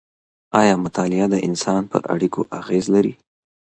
ایا مطالعه د انسان پر اړیکو اغېز لري؟